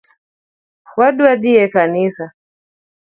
Wadwa dhii e kanisa.